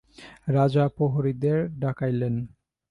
রাজা প্রহরীদের ডাকাইলেন।